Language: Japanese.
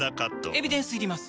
エビデンスいります？